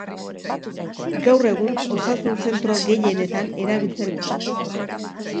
Gaur egun osasun zentro gehienetan erabiltzen dute.